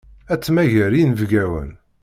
Ad temmager inebgawen.